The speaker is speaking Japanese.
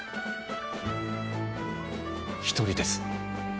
１人です